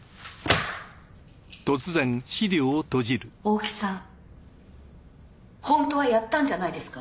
大木さん本当はやったんじゃないですか？